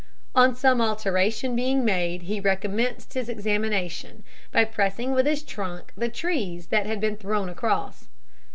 On some alteration being made he recommenced his examination, by pressing with his trunk the trees that had been thrown across.